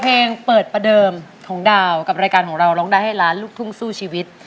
เพลงเปิดประเดิมของดาวกับรายการของเราร้องได้ให้ล้านลูกทุ่งสู้ชีวิต